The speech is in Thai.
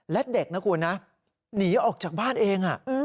และเด็กนะคุณนะหนีออกจากบ้านเอง